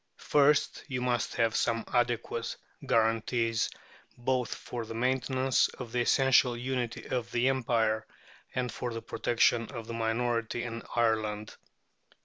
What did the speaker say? First, you must have some adequate guarantees both for the maintenance of the essential unity of the Empire and for the protection of the minority in Ireland.